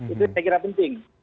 itu saya kira penting